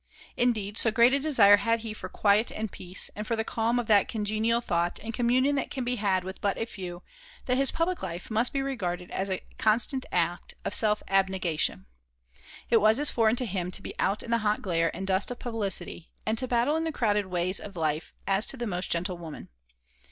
Indeed, so great a desire had he for quiet and peace, and for the calm of that congenial thought and communion that can be had with but a few, that his public life must be regarded as a constant act of self abnegation. It was as foreign to him to be out in the hot glare and dust of publicity, and to battle in the crowded ways of life, as to the most gentle woman.